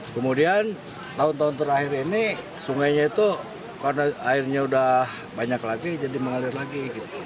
kemudian tahun tahun terakhir ini sungainya itu karena airnya sudah banyak lagi jadi mengalir lagi